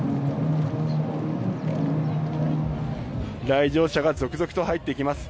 来場者が続々と入ってきます。